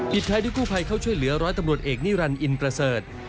ปิดท้ายที่คู่ภัยเข้าช่วยเหลือ๑๐๐ตำรวจเอกนิรันดิ์อินประเสริฐ